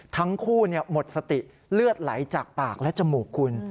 ทั้งหมดหมดสติเลือดไหลจากปากและจมูกคุณ